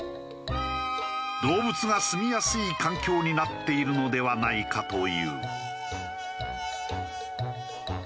動物がすみやすい環境になっているのではないかという。